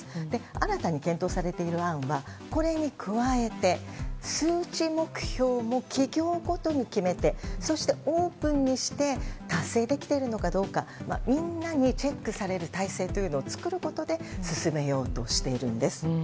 新たに検討されている案はこれに加えて数値目標も企業ごとに決めてそして、オープンにして達成できているのかどうかみんなにチェックされる体制というのを作ることで進めようとしているんです。